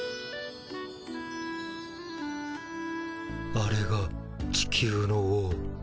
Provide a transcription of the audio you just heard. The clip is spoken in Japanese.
あれが地球の王。